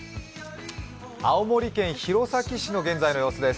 青森県弘前市の現在の様子です。